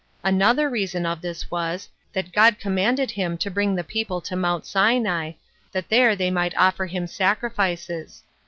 Another reason of this was, that God commanded him to bring the people to Mount Sinai, that there they might offer him sacrifices.